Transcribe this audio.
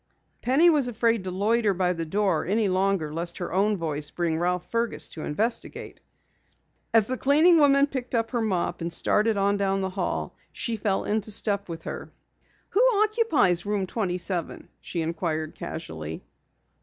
Penny was afraid to loiter by the door any longer lest her own voice bring Ralph Fergus to investigate. As the cleaning woman picked up her mop and started on down the hall, she fell into step with her. "Who occupies Room 27?" she inquired casually.